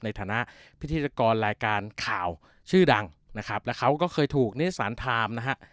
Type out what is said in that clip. ในฐานะพิธีกรรายการข่าวชื่อดังนะครับแล้วเขาก็เคยถูกนิสสันไทม์นะฮะ